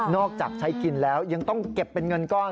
จากใช้กินแล้วยังต้องเก็บเป็นเงินก้อน